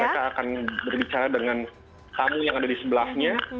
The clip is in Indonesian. mereka akan berbicara dengan tamu yang ada di sebelahnya